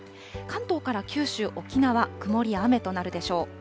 関東から九州、沖縄、曇りや雨となるでしょう。